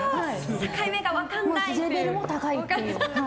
境目が分からないという。